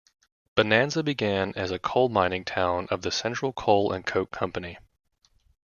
Bonanza began as a coal mining town of the "Central Coal and Coke company".